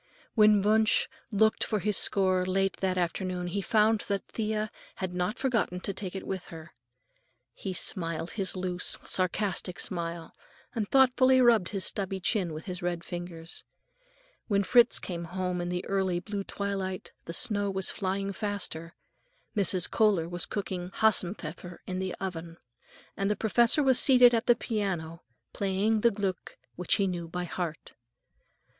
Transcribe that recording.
When Wunsch looked for his score late that afternoon, he found that Thea had not forgotten to take it with her. He smiled his loose, sarcastic smile, and thoughtfully rubbed his stubbly chin with his red fingers. When Fritz came home in the early blue twilight the snow was flying faster, Mrs. Kohler was cooking Hasenpfeffer in the kitchen, and the professor was seated at the piano, playing the Gluck, which he knew by heart.